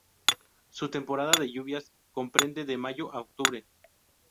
Su temporada de lluvias comprende de mayo a octubre.